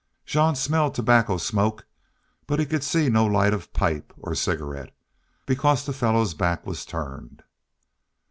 Jean smelled tobacco smoke, but could see no light of pipe or cigarette, because the fellow's back was turned.